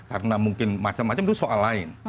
karena mungkin macam macam itu soal lain